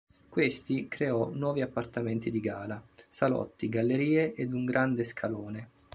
Questi creò nuovi appartamenti di gala, salotti, gallerie ed un grande scalone.